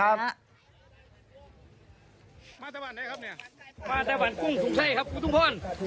มาตะวันไหนครับนี่มาตะวันกุ้งสุกไช่ครับอุทุมพร